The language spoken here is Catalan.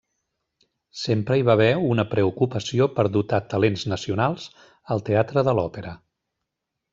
Sempre hi va haver una preocupació per dotar talents nacionals al teatre de l'òpera.